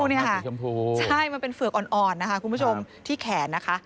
นี่ค่ะสีชมพูใช่มันเป็นเฝือกอ่อนนะคะคุณผู้ชมที่แขนนะคะ